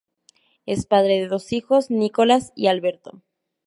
Es padre de dos hijos, Nicolás y Alberto.